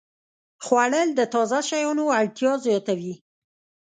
خوړل د تازه شیانو اړتیا زیاتوي